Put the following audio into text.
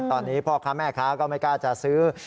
ตอนนี้พ่อค้าแม่ค้าก็ไม่กล้าจะซื้อ